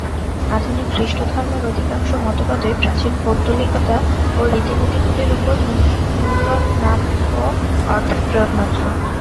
আধুনিক খ্রীষ্টধর্মের অধিকাংশ মতবাদই প্রাচীন পৌত্তলিকতা ও রীতিনীতিগুলির উপর নূতন নাম ও অর্থের প্রয়োগমাত্র।